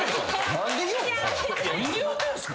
何言うてるんすか！？